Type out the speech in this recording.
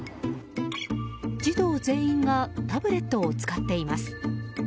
児童全員がタブレットを使っています。